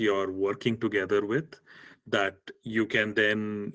yang anda bekerjasama dengan